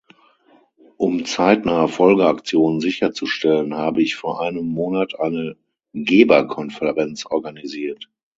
Um zeitnahe Folgeaktionen sicherzustellen, habe ich vor einem Monat eine Geberkonferenz organisiert.